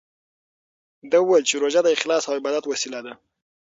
ده وویل چې روژه د اخلاص او عبادت وسیله ده.